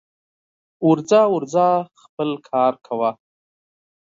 ورځه ورځه خپل کار کوه